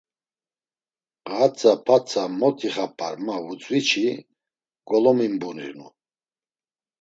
Ğatza p̌atza mot ixap̌ar ma vutzvi-çi golomimburinu.